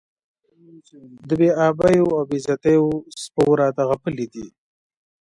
د بې آبیو او بې عزتیو سپو راته غپلي دي.